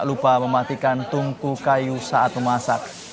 lupa mematikan tungku kayu saat memasak